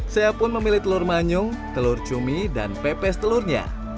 saya pun memilih telur manyung telur cumi dan pepes telurnya